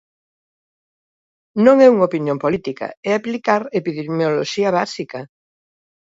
Non é unha opinión política, é aplicar epidemioloxía básica.